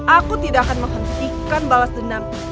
aku tidak akan menghentikan balas dendam